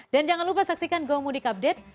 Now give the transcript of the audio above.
dan jangan lupa saksikan gomudik update